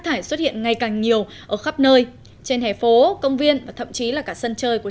thải xuất hiện ngày càng nhiều ở khắp nơi trên hẻ phố công viên và thậm chí là cả sân chơi của